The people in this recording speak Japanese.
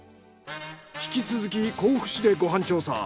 引き続き甲府市でご飯調査。